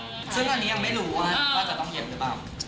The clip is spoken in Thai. ซึ่งตอนนี้ยังไม่รู้ว่าจะต้องเย็นหรือเปล่า